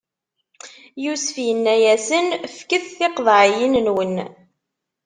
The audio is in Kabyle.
Yusef inna-yasen: Fket tiqeḍɛiyinnwen!